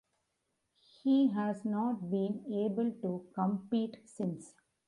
He has not been able to compete since.